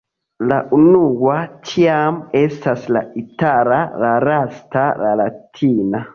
La unua ĉiam estas la itala, la lasta la latina.